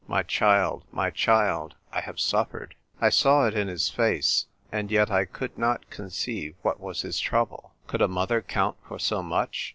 My child, my child, I have suffered." I saw it in his face. And yet I could not conceive what was his trouble. Could a mother count for so much